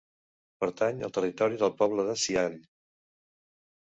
Pertany al territori del poble de Siall.